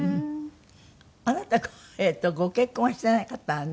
あなたえっとご結婚はしてなかったわね？